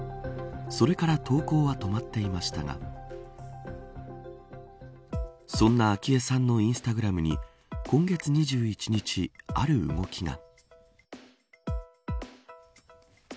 それから投稿は止まっていましたがそんな昭恵さんのインスタグラムに今月２１日、ある動きが。